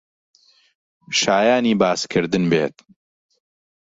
شایانی باسکردن بێت